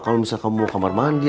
kalau misalnya kamu mau kamar mandi